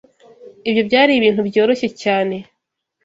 Ibyo byari ibintu byoroshye cyane.